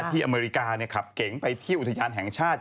ที่อเมริกาเนี่ยครับเก่งไปที่อุทยานแห่งชาติ